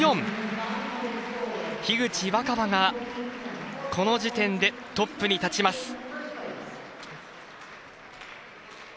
樋口新葉がこの時点でトップに立ちます。